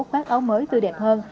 quát áo mới tươi đẹp hơn